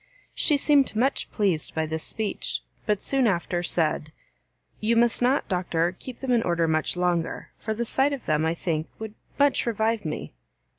She seemed much pleased by this speech; but soon after said, "You must not, Doctor, keep them in order much longer, for the sight of them, I think, would much revive me."